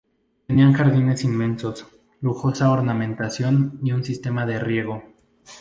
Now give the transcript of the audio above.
Tenía jardines inmensos, lujosa ornamentación y un sistema de riego.